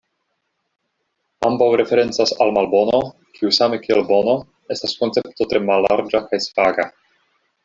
Ambaŭ referencas al malbono, kiu same kiel bono, estas koncepto tre mallarĝa kaj svaga.